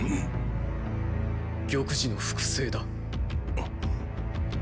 玉璽の複製だ。